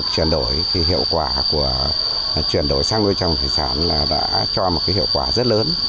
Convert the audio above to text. chuyển đổi sang nuôi trồng thủy sản đã cho một hiệu quả rất lớn